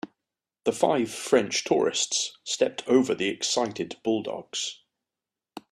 The five French tourists stepped over the excited bulldogs.